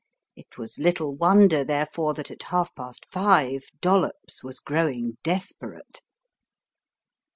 It was little won der, therefore, that at half past five Dollops was grow ing desperate.